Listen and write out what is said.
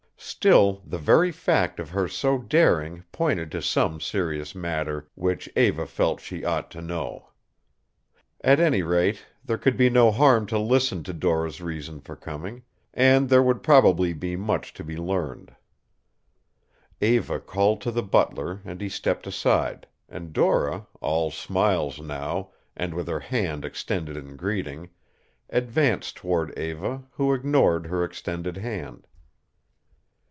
Still, the very fact of her so daring pointed to some serious matter which Eva felt she ought to know. At any rate, there could be no harm to listen to Dora's reason for coming, and there would probably be much to be learned. Eva called to the butler and he stepped aside, and Dora, all smiles now, and with her hand extended in greeting, advanced toward Eva, who ignored her extended hand.